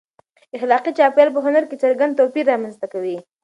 اخلاقي چاپېریال په هنر کې څرګند توپیر رامنځته کوي.